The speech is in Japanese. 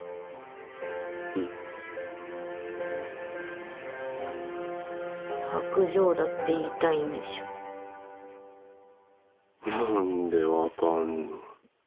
いい薄情だって言いたいんでしょ何で分かんの？